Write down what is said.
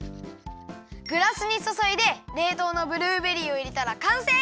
グラスにそそいでれいとうのブルーベリーをいれたらかんせい！